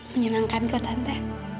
menyenangkan kok tante